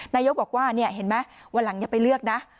นายกบอกว่าเห็นไหมวันหลังอย่าไปเลือกนะ